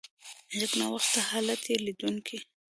یکنواخته حالت یې لیدونکي.